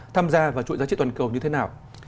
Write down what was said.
tham gia vào chuỗi giá trị toàn cầu như thế nào